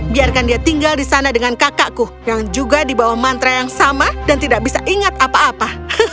biarkan dia tinggal di sana dengan kakakku yang juga di bawah mantra yang sama dan tidak bisa ingat apa apa